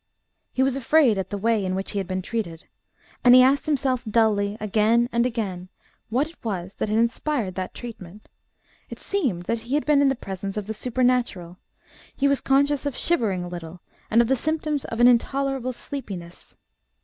He was afraid at the way in which he had been treated, and he asked himself dully again and again what it was that had inspired that treatment; it seemed that he had been in the presence of the supernatural; he was conscious of shivering a little, and of the symptoms of an intolerable sleepiness.